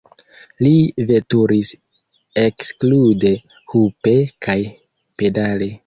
Li veturis eksklude hupe kaj pedale.